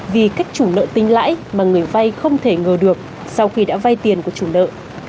vì cách chủ nợ tinh lãi mà người vay không thể ngờ được sau khi đã vay tiền của chủ nợ